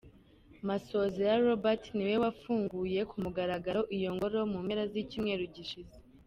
Masozera Robert niwe wafunguye ku mugaragaro iyo ngoro, mu mpera z’icyumweru gishize.